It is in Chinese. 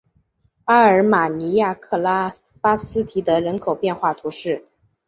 阿尔马尼亚克拉巴斯提德人口变化图示